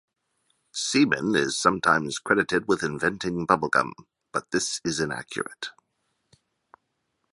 Semon is sometimes credited with inventing bubble gum, but this is inaccurate.